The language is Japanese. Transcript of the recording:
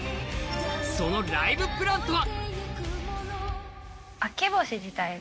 そのライブプランとは？